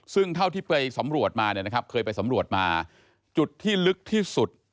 ซึ่งเท่าที่ไปสำรวจมาเนี่ยนะครับเคยไปสำรวจมาจุดที่ลึกที่สุด